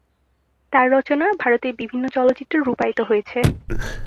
তার রচনা ভারতের বিভিন্ন চলচ্চিত্রে রূপায়িত হয়েছে।